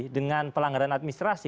dengan pelanggaran administrasi